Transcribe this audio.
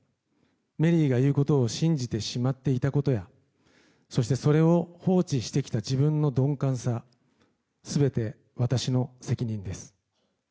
メリーが言うことを信じてしまっていたことやそして、それを放置してきた自分の鈍感さ全て、私の責任です。